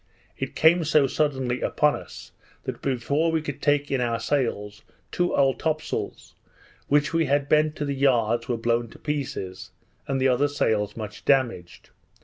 It came so suddenly upon us, that before we could take in our sails, two old top sails, which we had bent to the yards, were blown to pieces, and the other sails much damaged.